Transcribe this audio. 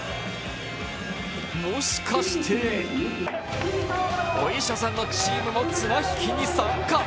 もしかしてお医者さんのチームも綱引きに参加。